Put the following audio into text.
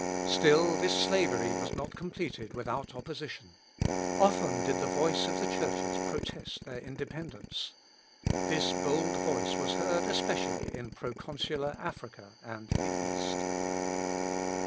Still this slavery was not completed without opposition. Often did the voice of the churches protest their independence: This bold voice was heard especially in proconsular Africa and the East.